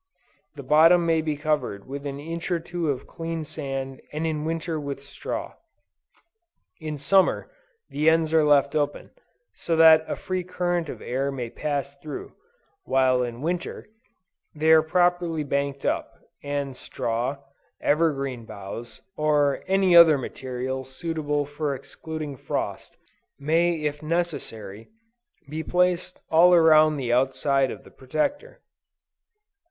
The bottom may be covered with an inch or two of clean sand and in winter with straw. In Summer, the ends are left open, so that a free current of air may pass through, while in Winter, they are properly banked up; and straw, evergreen boughs, or any other material, suitable for excluding frost, may if necessary, be placed all around the outside of the Protector.